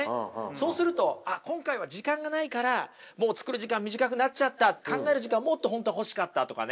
そうするとあっ今回は時間がないからもう作る時間短くなっちゃった考える時間もっと本当は欲しかったとかね。